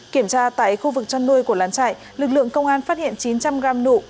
kiểm tra tại khu vực chăn nuôi của lán trại lực lượng công an phát hiện chín trăm linh gram nụ